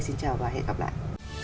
xin chào và hẹn gặp lại